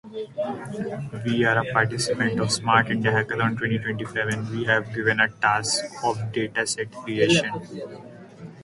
Eakins included a depiction of Williams in The Swimming Hole.